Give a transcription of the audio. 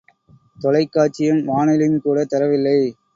தொலைக் காட்சியும் வானொலியும் கூட தரவில்லை.